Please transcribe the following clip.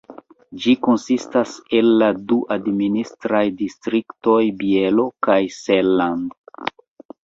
Ĝi konsistas el la du administraj distriktoj Bielo kaj Seeland.